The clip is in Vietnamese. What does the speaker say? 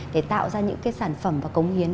để tạo ra những sản phẩm và cống hiến